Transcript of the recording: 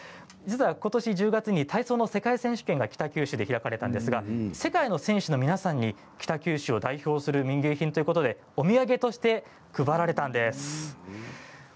ことし１０月に体操の世界選手権が北九州市で開かれたんですが世界の選手の皆さんに北九州を代表する民芸品ということでお土産として配られたんです。